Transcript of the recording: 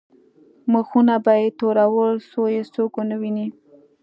مخونه به یې تورول څو یې څوک ونه ویني.